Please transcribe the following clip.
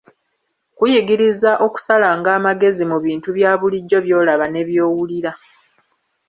Kuyigiriza okusalanga amagezi mu bintu bya bulijjo by'olaba ne by'owulira.